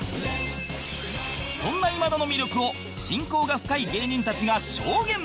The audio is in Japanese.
そんな今田の魅力を親交が深い芸人たちが証言